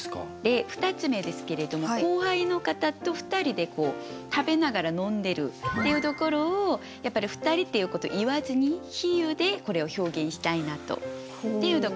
２つ目ですけれども後輩の方と２人で食べながら飲んでるっていうところをやっぱり２人っていうことを言わずに比喩でこれを表現したいなっていうところ。